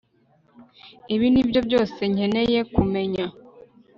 Ibi nibyo byose nkeneye kumenya